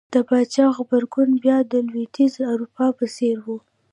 د جاپان غبرګون بیا د لوېدیځې اروپا په څېر و.